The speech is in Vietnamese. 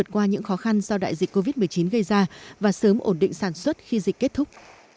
qua những khó khăn do đại dịch covid một mươi chín gây ra và sớm ổn định sản xuất khi dịch kết thúc